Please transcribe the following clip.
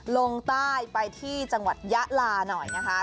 ลงใต้ไปที่จังหวัดยะลาหน่อยนะคะ